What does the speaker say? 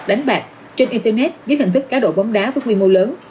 đánh bạc trên internet dưới hình thức cá độ bóng đá với quy mô lớn